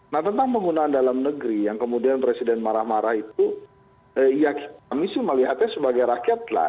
nah tentang penggunaan dalam negeri yang kemudian presiden marah marah itu ya kami sih melihatnya sebagai rakyat lah